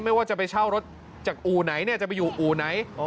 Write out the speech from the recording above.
ว่าจะไปเช่ารถจากอู่ไหนจะไปอยู่อู่ไหน